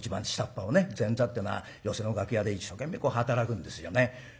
前座ってのは寄席の楽屋で一生懸命働くんですよね。